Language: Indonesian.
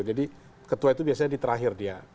jadi ketua itu biasanya di terakhir dia